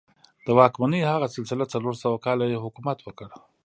د واکمنۍ هغه سلسله څلور سوه کاله یې حکومت وکړ.